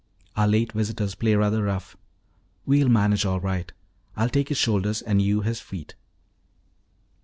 "Our late visitors play rather rough. We'll manage all right. I'll take his shoulders and you his feet."